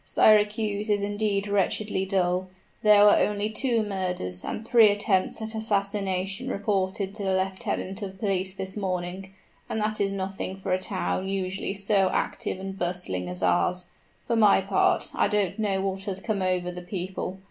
Syracuse is indeed wretchedly dull. There were only two murders and three attempts at assassination reported to the lieutenant of police this morning, and that is nothing for a town usually so active and bustling as ours. For my part, I don't know what has come over the people?